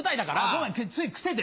ごめんつい癖で。